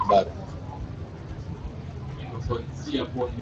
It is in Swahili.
aitwa nurdin selemani kwanza ni mkhutsari wa habari